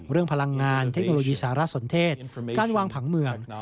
พลังงานเทคโนโลยีสารสนเทศการวางผังเมือง